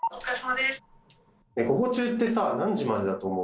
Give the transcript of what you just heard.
午後中ってさ何時までだと思う？